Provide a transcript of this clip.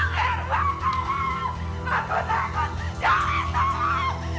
sampai jumpa di video selanjutnya